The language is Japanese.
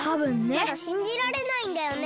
まだしんじられないんだよね。